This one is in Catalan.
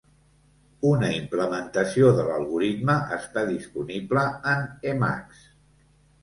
Una implementació de l'algoritme està disponible en Emacs.